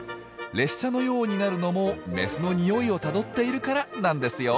列車のようになるのもメスのニオイをたどっているからなんですよ。